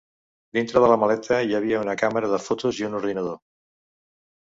Dintre de la maleta hi havia una càmera de fotos i un ordinador.